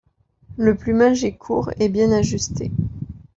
Le plumage est court et bien ajusté.